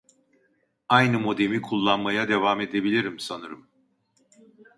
Aynı modemi kullanmaya devam edebilirim sanırım